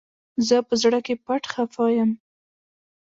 زه په زړه کي پټ خپه يم